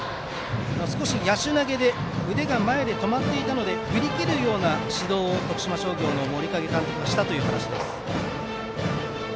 少し野手投げで腕が前で止まっていたので振り切るような指導を徳島商業の森影監督はしたという話です。